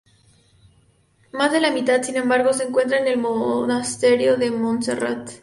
Más de la mitad, sin embargo, se encuentra en el monasterio de Montserrat.